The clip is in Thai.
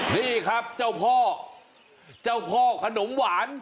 นี่ครับเจ้าพ่อเจ้าพ่อขนมหวาน